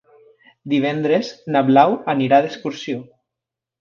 Divendres na Blau anirà d'excursió.